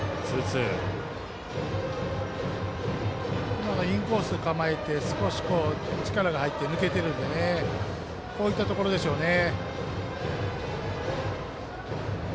今のインコースに構えて少し力が入って抜けているのでこういったところでしょうね。